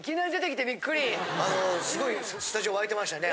あのすごいスタジオ沸いてましたね。